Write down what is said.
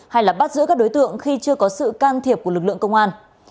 hay là bắt giữ các đối tượng khi chưa có sự can thiệp của lực lượng công an